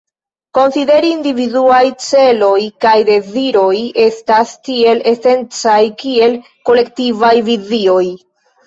Konsideri individuaj celoj kaj deziroj estas tiel esencaj kiel kolektivaj vizioj.